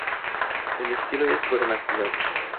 El estilo es vernacular.